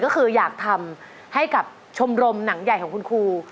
ก็คืออยากทำให้กับชมรมหนังใหญ่ของคุณครู